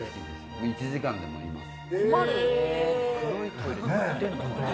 １時間でもいます。